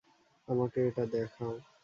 আমাকে এটা দেখাও।